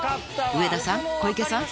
上田さん小池さん